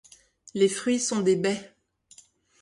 Les fruits sont des baies.